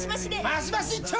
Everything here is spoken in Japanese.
マシマシ一丁！